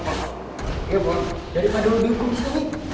dari mana lo ditinggalkan